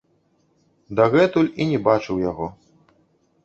Дагэтуль і не бачыў яго.